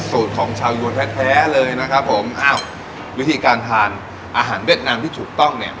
สูตรของชาวยวนแท้แท้เลยนะครับผมอ้าววิธีการทานอาหารเวียดนามที่ถูกต้องเนี่ย